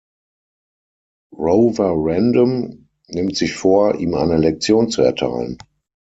Roverandom nimmt sich vor, ihm eine Lektion zu erteilen.